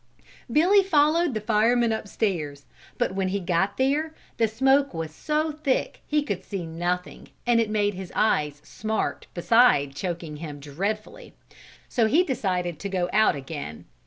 Billy followed the firemen upstairs but when he got there the smoke was so thick he could see nothing, and it made his eyes smart beside choking him dreadfully, so he decided to go out again.